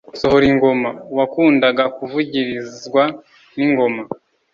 sohoringoma: uwakundaga kuvugirizwa n’ingoma